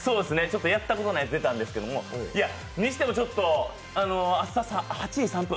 やったことないことやったんですけど、にしてもちょっと、朝８時３分？